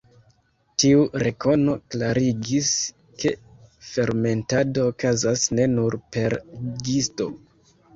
Tiu rekono klarigis, ke fermentado okazas ne nur per gisto.